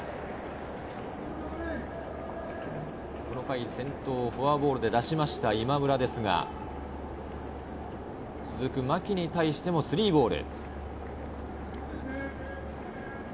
この回、先頭をフォアボールで出しました今村ですが、続く牧に対しても３ボール。